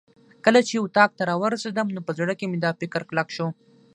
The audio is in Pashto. کله چې اتاق ته راورسېدم نو په زړه کې مې دا فکر کلک شو.